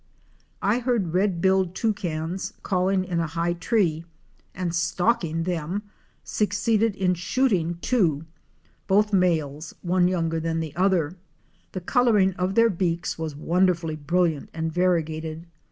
I heard Red billed Toucans* calling in a high tree and stalking them, succeeded in shooting two, both males, one younger than the other. The coloring of their beaks was wonderfully brilliant and variegated.